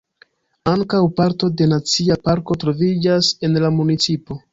Ankaŭ parto de nacia parko troviĝas en la municipo.